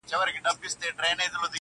o راځي سبا.